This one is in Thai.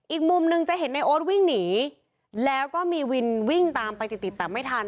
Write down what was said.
อีกมุมหนึ่งจะเห็นในโอ๊ตวิ่งหนีแล้วก็มีวินวิ่งตามไปติดติดแต่ไม่ทัน